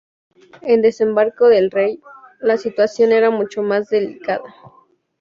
En Desembarco del Rey, la situación era mucho más delicada.